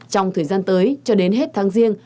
trong thời gian tới cho đến hết tháng riêng